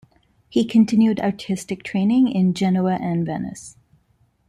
He continued artistic training in Genoa and Venice.